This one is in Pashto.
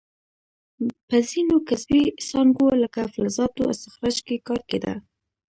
په ځینو کسبي څانګو لکه فلزاتو استخراج کې کار کیده.